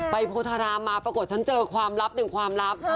โพธารามมาปรากฏฉันเจอความลับหนึ่งความลับ